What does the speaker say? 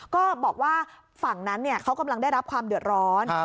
ก็บอกว่าฝั่งนั้นเขากำลังได้รับความเดือดร้อน